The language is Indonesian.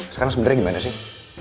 sekarang sebenernya gimana sih